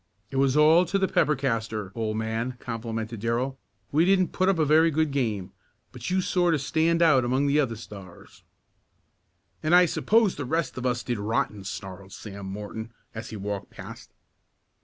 "It was all to the pepper castor, old man," complimented Darrell. "We didn't put up a very good game, but you sort of stand out among the other Stars." "And I suppose the rest of us did rotten!" snarled Sam Morton as he walked past.